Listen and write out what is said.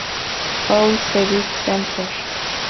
Paul Civic Center.